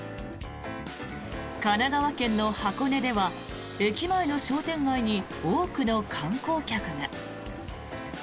神奈川県の箱根では駅前の商店街に多くの観光客が。